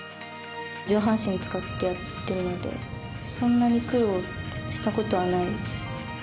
上半身を使ってやっているのでそんなに苦労したことはないです。